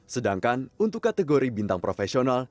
sedangkan untuk kategori bintang profesional